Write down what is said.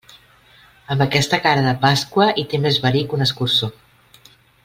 Amb aquesta cara de pasqua, i té més verí que un escurçó.